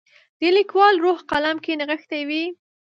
د لیکوال روح قلم کې نغښتی وي.